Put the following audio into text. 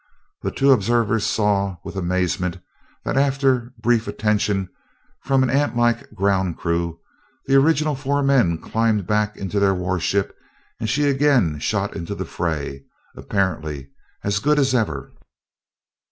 The two observers saw with amazement that after brief attention from an ant like ground crew, the original four men climbed back into their warship and she again shot into the fray, apparently as good as ever.